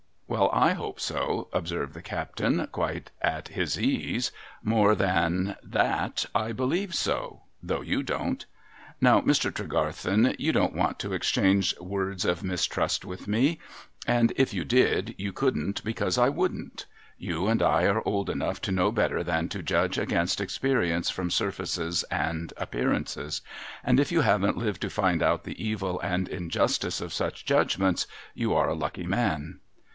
' Wa'al, / hope so,' observed the captain, quite at his ease ;' more than tliat, I believe so, — though you don't. Now, Mr. Tregarthen, vou don't want to exchange words of mistrust with me ; and if you did, you couldn't, because I wouldn't. You and I are old enough to know better than to judge against experience from surfaces and appearances ; and if you haven't lived to find out the evil and injustice of such judgments, you are a lucky man.'